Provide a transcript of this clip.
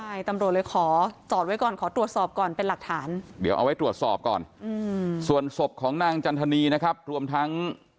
ใช่ตำรวจเลยขอจอดไว้ก่อนขอตรวจสอบก่อนเป็นหลักฐาน